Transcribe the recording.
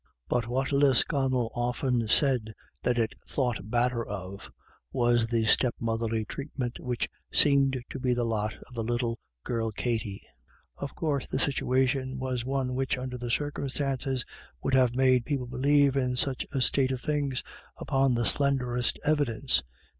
But what Lisconnel often said that it " thought badder of " was the stepmotherly 390 IRISH IDYLLS. treatment which seemed to be the lot of the little girl Katty. Of course the situation was one which under the circumstances would have made people believe in such a state of things upon the slender est evidence.